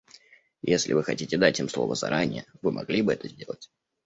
Если Вы хотите дать им слово заранее, Вы могли бы это сделать.